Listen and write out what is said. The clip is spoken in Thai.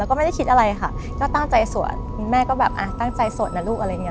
แล้วก็ไม่ได้คิดอะไรค่ะก็ตั้งใจสวดคุณแม่ก็แบบอ่ะตั้งใจสวดนะลูกอะไรอย่างเงี้